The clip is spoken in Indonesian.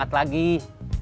biar semangat lagi